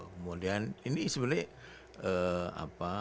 kemudian ini sebenarnya